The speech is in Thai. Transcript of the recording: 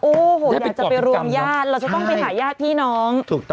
โอ้โหอยากจะไปรวมญาติเราจะต้องไปหายาดพี่น้องใช่เราก้อดกรรมคะ